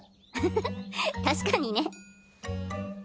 フフたしかにね。